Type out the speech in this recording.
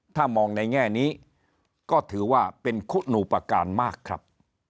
ถ้ามองในแง่นี้ก็ถือว่าเป็นคุณูประการมากครับ